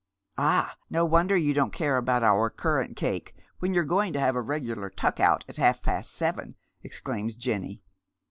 " Ah, no wonder you don't care about our currant cake when you're going to have a regular tuck out at half past seven," ex claims Jenny.